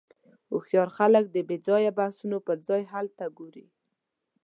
هوښیار خلک د بېځایه بحثونو پر ځای حل ته ګوري.